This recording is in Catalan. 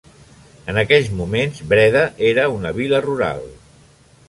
En aquells moments Breda era una vila rural.